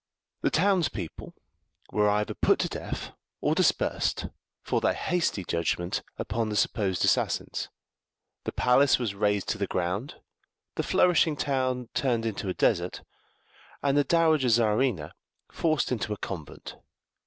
The towns people were either put to death or dispersed for their hasty judgment upon the supposed assassins, the palace was razed to the ground, the flourishing town turned into a desert, and the Dowager Czarina forced into a convent.